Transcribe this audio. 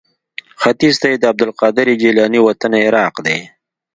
ختیځ ته یې د عبدالقادر جیلاني وطن عراق دی.